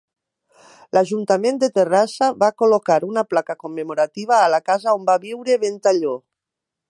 L'Ajuntament de Terrassa va col·locar una placa commemorativa a la casa on va viure Ventalló.